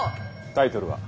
タイトルは？